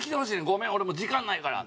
ごめん俺もう時間ないから」